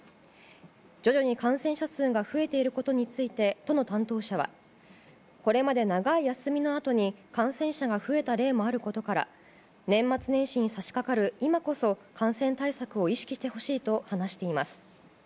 徐々に感染者数が増えていることについて都の担当者はこれまで長い休みのあとに感染者が増えた例もあることから年末年始に差し掛かる今こそ感染対策を意識してほしいと話しています。